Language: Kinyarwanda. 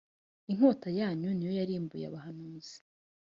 inkota yanyu ni yo yarimbuye abahanuzi.